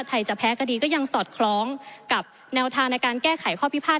จะแพ้คดีก็ยังสอดคล้องกับแนวทางในการแก้ไขข้อพิพาท